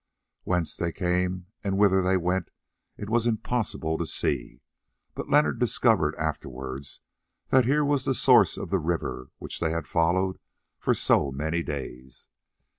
Whence they came and whither they went it was impossible to see, but Leonard discovered afterwards that here was the source of the river which they had followed for so many days.